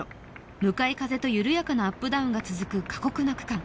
向かい風と緩やかなアップダウンが続く過酷な区間。